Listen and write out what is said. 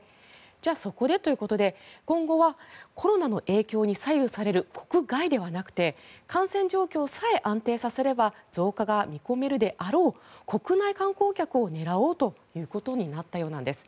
そこでということで今後はコロナの影響に左右される国外ではなくて感染状況さえ安定させれば増加が見込めるであろう国内観光客を狙おうということになったようなんです。